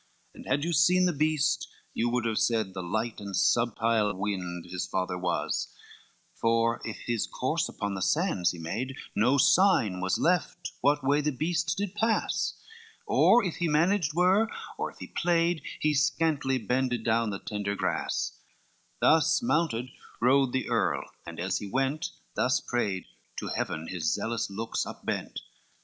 LXXVII And had you seen the beast, you would have said The light and subtile wind his father was; For if his course upon the sands he made No sign was left what way the beast did pass; Or if he menaged were, or if he played, He scantly bended down the tender grass: Thus mounted rode the Earl, and as he went, Thus prayed, to Heaven his zealous looks upbent.